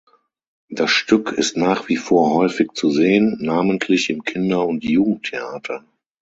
Das Stück ist nach wie vor häufig zu sehen, namentlich im Kinder- und Jugendtheater.